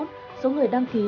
và số người đăng ký